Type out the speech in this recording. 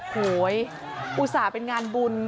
โหยอุตส่าห์เป็นงานบุญ